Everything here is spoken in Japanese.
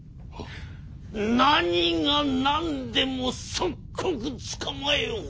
「何が何でも即刻捕まえよ！